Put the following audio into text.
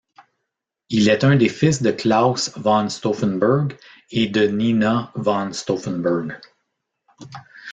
Il est un des fils de Claus von Stauffenberg et de Nina von Stauffenberg.